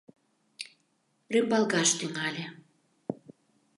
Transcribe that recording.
Рӱмбалгаш тӱҥале.